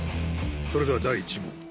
それでは第１問。